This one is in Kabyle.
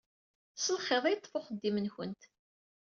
S lxiḍ i yeṭṭef uxeddim-nkent.